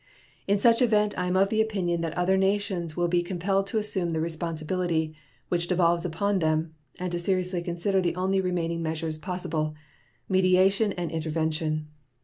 In such event I am of opinion that other nations will be compelled to assume the responsibility which devolves upon them, and to seriously consider the only remaining measures possible mediation and intervention.